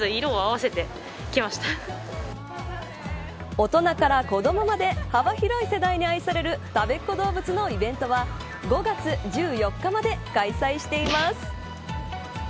大人から子どもまで幅広い世代に愛されるたべっ子どうぶつのイベントは５月１４日まで開催しています。